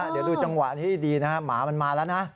เดี๋ยวดูจังหวะนี้ดีนะฮะหมามันมาแล้วนะ